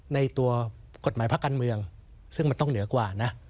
ในตัวกฎหมายภาคการเมืองซึ่งมันต้องเหนือกว่านะ